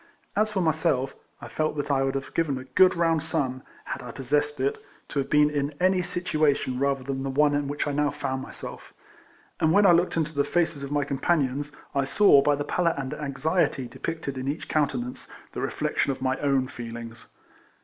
As for myself, I felt that I would have given a good round sum (had I possessed it) to have been in any situation rather than the one in which I now found myself; and when I looked into the faces of my companions, I saw, by the pallor and anxiety depicted in each countenance, the reflection of my own feelings.